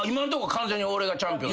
完全に俺がチャンピオン。